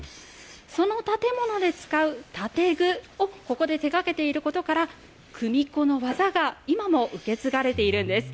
その建物で使う建具を、ここで手がけていることから、組子の技が今も受け継がれているんです。